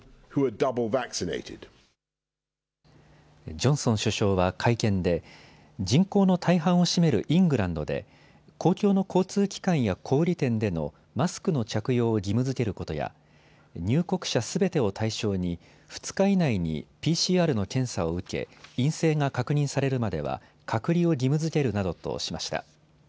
ジョンソン首相は会見で人口の大半を占めるイングランドで公共の交通機関や小売店でのマスクの着用を義務づけることや入国者すべてを対象に２日以内にＰＣＲの検査を受け陰性が確認されるまでは隔離を義務づけるなどとしました。